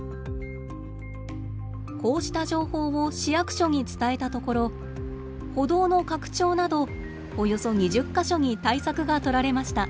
こうした情報を市役所に伝えたところ歩道の拡張などおよそ２０か所に対策がとられました。